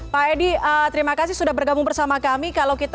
pak edi terima kasih sudah bergabung bersama kami